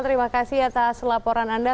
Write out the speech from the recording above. terima kasih atas laporan anda